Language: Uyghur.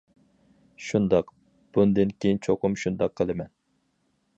شۇنداق بۇندىن كىيىن چوقۇم شۇنداق قىلىمەن.